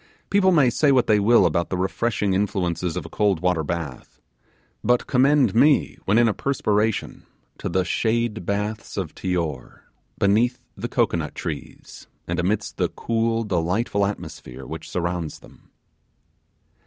People may say what they will about the refreshing influences of a coldwater bath, but commend me when in a perspiration to the shade baths of Tior, beneath the cocoanut trees, and amidst the cool delightful atmosphere which surrounds them.